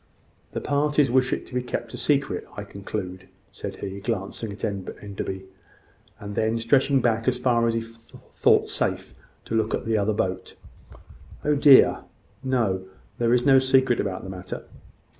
"The parties wish it to be kept a secret, I conclude," said he, glancing at Enderby, and then stretching back as far as he thought safe, to look at the other boat. "Oh dear, no! There is no secret about the matter."